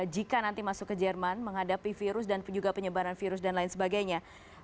jika nanti masuk ke jerman menghadapi virus dan juga penyebaran virus dan lain sebagainya